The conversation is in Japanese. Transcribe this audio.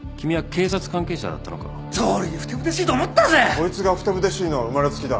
こいつがふてぶてしいのは生まれつきだ。